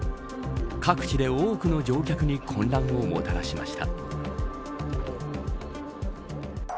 各地で多くの乗客に混乱をもたらしました。